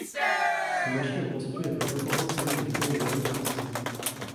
Ces machines ont constitué la plus importante série de Ten wheel française.